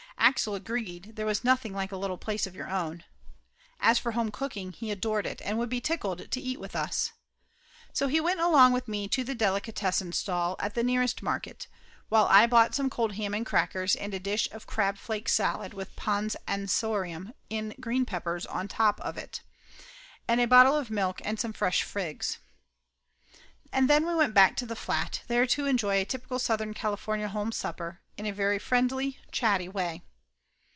Axel agreed that there was nothing like a little place of your own. As for home cooking, he adored it and would be tickled to eat with us. So he went along with me to the delicatessen stall at the nearest market, while I bought some cold ham and crackers and a dish of crabflake salad with Pons Asinorum in green peppers on the top of it, and a bottle of milk and some fresh figs. And then we went back to the flat, there to enjoy a typical Southern California home supper, in a very friendly, chatty way.